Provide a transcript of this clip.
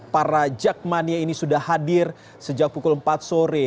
para jakmania ini sudah hadir sejak pukul empat sore